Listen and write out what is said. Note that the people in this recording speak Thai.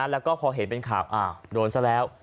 แล้วก็พอเห็นเป็นข่าวโดนซะแล้ว